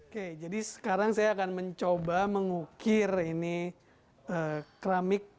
oke jadi sekarang saya akan mencoba mengukir ini keramik